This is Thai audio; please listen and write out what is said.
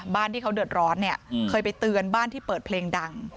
บ้านที่เขาเดือดร้อนเนี่ยเคยไปเตือนบ้านที่เปิดเพลงดัง